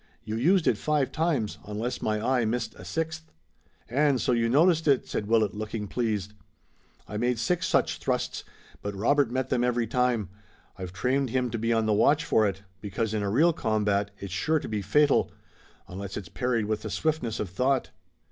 You used it five times, unless my eye missed a sixth." "And so you noticed it!" said Willet, looking pleased. "I made six such thrusts, but Robert met them every time. I've trained him to be on the watch for it, because in a real combat it's sure to be fatal, unless it's parried with the swiftness of thought."